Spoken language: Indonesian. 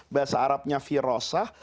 bahasa arabnya firasah